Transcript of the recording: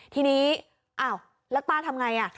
ทีนี้อ้าวแล้วป้าทำไง